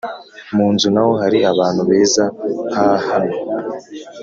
munzu naho hari abantu beza nkahano